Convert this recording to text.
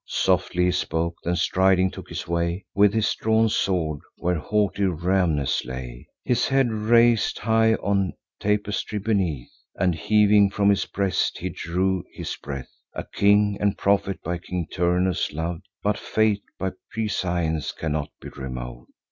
Softly he spoke; then striding took his way, With his drawn sword, where haughty Rhamnes lay; His head rais'd high on tapestry beneath, And heaving from his breast, he drew his breath; A king and prophet, by King Turnus lov'd: But fate by prescience cannot be remov'd.